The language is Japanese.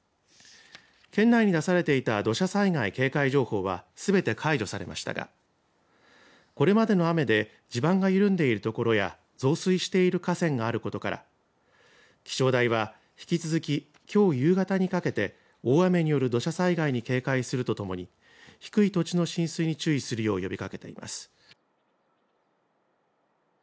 県内に出されていた土砂災害警戒情報はすべて解除されましたがこれまでの雨で地盤が緩んでいる所や増水している河川があることから気象台は、引き続ききょう夕方にかけて大雨による土砂災害に警戒するとともに低い土地の浸水に注意するよう呼びかけています。